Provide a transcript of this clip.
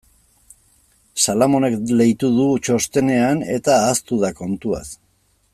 Salamonek leitu du txostenean eta ahaztu da kontuaz.